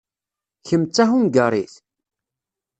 Kemm d tahungarit?